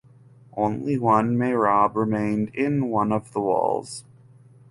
Only one Mehrab remained in one of the walls.